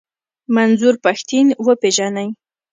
منظور پښتين و پېژنئ.